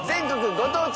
ご当地